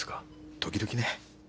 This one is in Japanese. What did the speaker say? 時々ね。